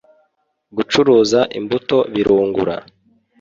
gucuruza imbuto birungura.